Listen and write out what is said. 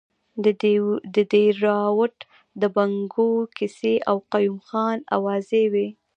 د دیراوت د بنګو کیسې او قیوم خان اوازې وې.